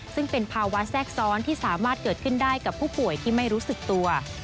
ซึ่งเป็นภาวะแทรกซ้อนที่สามารถเกิดขึ้นได้กับผู้ป่วยที่ไม่รู้สึกตัว